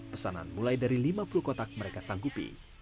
pesanan mulai dari lima puluh kotak mereka sanggupi